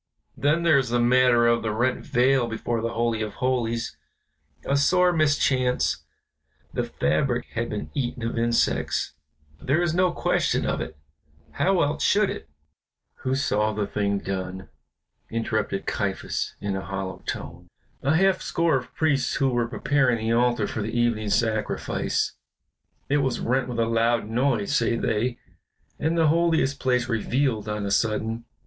Then there is the matter of the rent veil before the Holy of Holies; a sore mischance, the fabric had been eaten of insects, there is no question of it, how else should it " "Who saw the thing done?" interrupted Caiaphas in a hollow tone. "A half score of priests who were preparing the altar for the evening sacrifice. It was rent with a loud noise, say they, and the Holiest place revealed on a sudden.